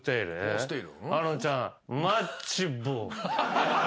あのちゃん。